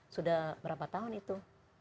sudah berapa tahun itu